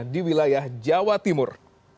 di wilayah jawa timur